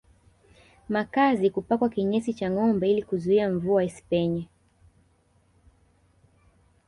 Makazi kupakwa kinyesi cha ngombe ili kuzuia mvua isipenye